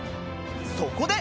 そこで！